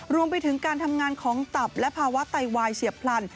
รวมไปถึงการทำงานของตับและภาวะไตวายเฉียบพลัน